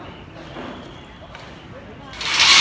อันที่สุดท้ายก็คือภาษาอันที่สุดท้าย